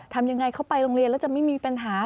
ทำยังไงเข้าไปโรงเรียนแล้วจะไม่มีปัญหา